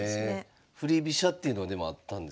振り飛車っていうのはでもあったんですね。